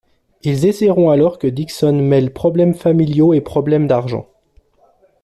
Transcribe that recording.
Ils essaieront alors que Dixon mêle problème familiaux et problèmes d'argent.